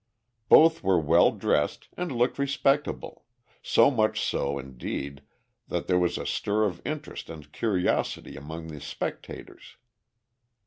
Both were well dressed and looked respectable so much so, indeed, that there was a stir of interest and curiosity among the spectators.